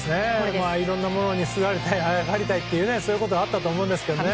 いろんなものにすがりたい、あやかりたいそういうことはあったと思うんですけどね